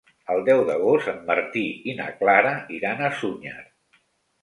El deu d'agost en Martí i na Clara iran a Sunyer.